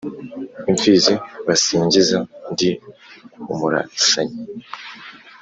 imfizi basingiza ndi umurasanyi